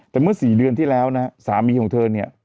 แต่เมื่อ๔เดือนที่แล้วนะสามีของเธอ